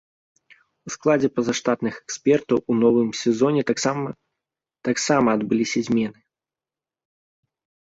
У складзе пазаштатных экспертаў у новым сезоне таксама таксама адбыліся змены.